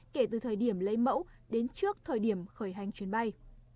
kể từ thời điểm lấy mẫu đến trước thời điểm khởi hành chuyến bay